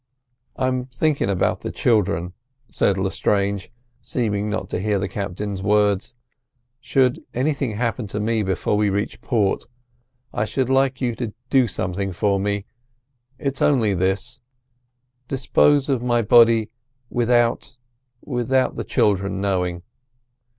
"I'm thinking about the children," said Lestrange, seeming not to hear the captain's words. "Should anything happen to me before we reach port, I should like you to do something for me. It's only this: dispose of my body without—without the children knowing.